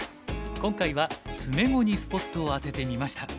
今回は詰碁にスポットを当ててみました。